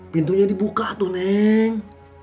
pintunya dibuka tuh neng